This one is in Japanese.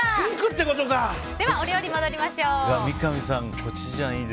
では、お料理に戻りましょう。